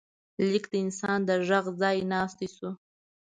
لیک د انسان د غږ ځای ناستی شو.